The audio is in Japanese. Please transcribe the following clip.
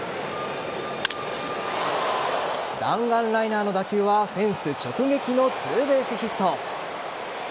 弾丸ライナーの打球はフェンス直撃のツーベースヒット。